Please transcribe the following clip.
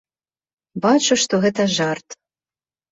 Бачу, што гэта жарт.